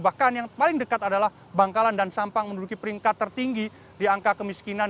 bahkan yang paling dekat adalah bangkalan dan sampang menduduki peringkat tertinggi di angka kemiskinan